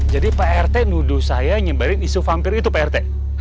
jadi pak rt nuduh saya nyebarin isu vampir itu pak rt